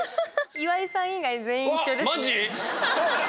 岩井さん以外、全員一緒ですね。